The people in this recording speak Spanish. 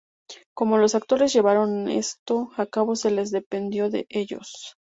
Como los actores llevaron esto a cabo se les dependió de ellos.